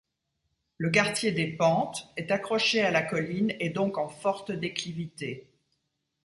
Le quartier des Pentes est accroché à la colline et donc en forte déclivité.